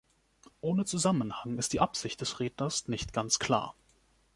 Ohne Zusammenhang ist die Absicht des Redners nicht ganz klar.